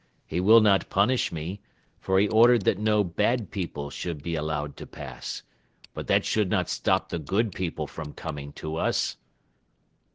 He will not punish me, for he ordered that no 'bad people' should be allowed to pass; but that should not stop the 'good people' from coming to us.